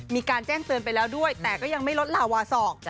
มีการแจ้งเตือนไปแล้วด้วยแต่ก็ยังไม่ลดลาวาสอก